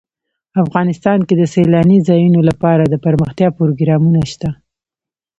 افغانستان کې د سیلانی ځایونه لپاره دپرمختیا پروګرامونه شته.